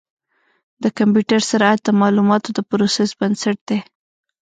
د کمپیوټر سرعت د معلوماتو د پروسس بنسټ دی.